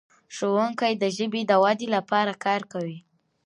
ښوونکي د ژبې د ودې لپاره کار کوي.